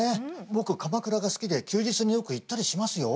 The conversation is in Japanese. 僕鎌倉が好きで休日によく行ったりしますよ。